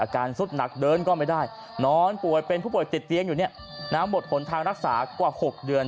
สุดหนักเดินก็ไม่ได้นอนป่วยเป็นผู้ป่วยติดเตียงอยู่หมดหนทางรักษากว่า๖เดือน